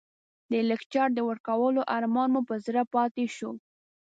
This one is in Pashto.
د لکچر د ورکولو ارمان مو په زړه پاتې شو.